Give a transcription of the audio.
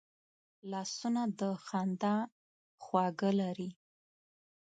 لاسونه د خندا خواږه لري